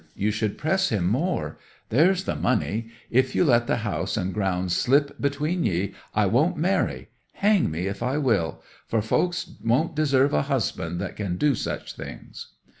You should press him more. There's the money. If you let the house and ground slip between ye, I won't marry; hang me if I will! For folks won't deserve a husband that can do such things."